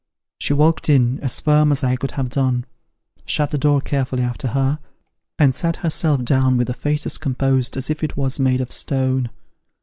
She walked in, as firm as I could have done ; shut the door carefully after her, and sat herself down with a face as composed as if it was made of stone.